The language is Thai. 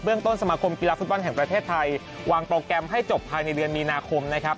ต้นสมาคมกีฬาฟุตบอลแห่งประเทศไทยวางโปรแกรมให้จบภายในเดือนมีนาคมนะครับ